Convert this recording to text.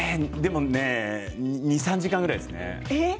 ２、３時間ぐらいです。